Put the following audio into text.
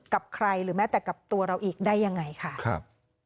กับใครหรือแม้แต่กับตัวเราอีกได้ยังไงค่ะครับ